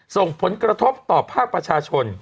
ส่งผลกระทบต่อภาคประชาชน